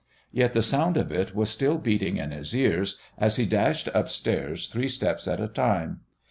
Yet the sound of it was still beating in his ears as he dashed upstairs three steps at a time.